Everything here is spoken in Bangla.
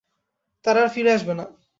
তারা আর ফিরে আসবে না।